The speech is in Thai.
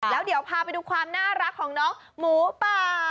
แล้วเดี๋ยวพาไปดูความน่ารักของน้องหมูป่า